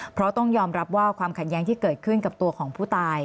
เพราะต้องยอมรับว่าความขัดแย้งที่เกิดขึ้นกับตัวของผู้ตาย